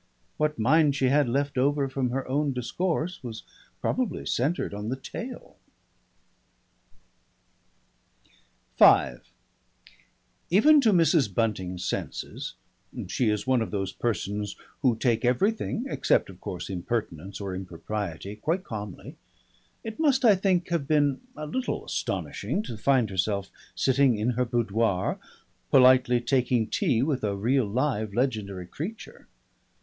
What mind she had left over from her own discourse was probably centred on the tail. V Even to Mrs. Bunting's senses she is one of those persons who take everything (except of course impertinence or impropriety) quite calmly it must, I think, have been a little astonishing to find herself sitting in her boudoir, politely taking tea with a real live legendary creature.